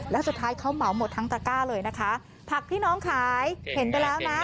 แล้วสุดท้ายเขาเหมาหมดทั้งตระก้าเลยนะคะผักที่น้องขายเห็นไปแล้วนะ